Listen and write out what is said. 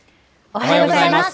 おはようございます。